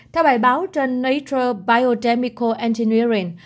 theo bài báo trên nature biodemical engineering